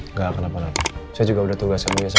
nggak akan apa apa saya juga udah tugasnya